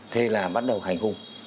thì là bắt đầu hành hung